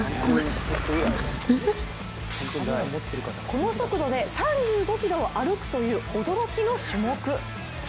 この速度で３５ｋｍを歩くという驚きの種目。